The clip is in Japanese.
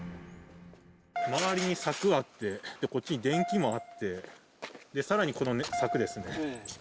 周りに柵があって、こっちに電気もあって、さらにこの柵ですね。